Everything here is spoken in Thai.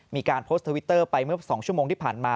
มีการโพสต์ทวิตเตอร์ไปเมื่อ๒ชั่วโมงที่ผ่านมา